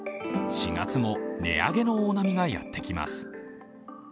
４月も値上げの大波がやってきます